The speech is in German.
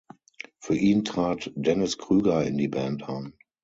Für ihn trat Dennis Krüger in die Band ein.